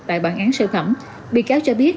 tại bản án sơ thẩm bị cáo cho biết